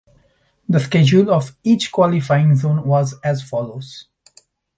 The schedule of each qualifying zone was as follows.